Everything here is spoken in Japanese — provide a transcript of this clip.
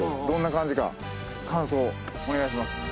どんな感じか感想お願いします。